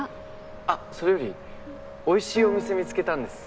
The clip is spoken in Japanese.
あっそれよりおいしいお店見つけたんです。